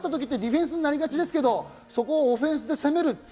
ディフェンスになりがちですけど、そこをオフェンスで攻める。